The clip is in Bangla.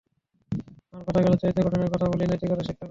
আমরা কথায় কথায় চরিত্র গঠনের কথা বলি, নৈতিক শিক্ষার কথা বলি।